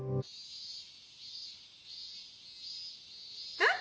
えっ！？